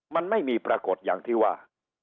มันไม่มีปรากฏอย่างที่ว่า